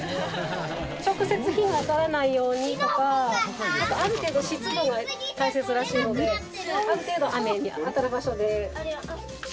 直接日が当たらないようにとかある程度湿度が大切らしいのである程度雨に当たる場所で。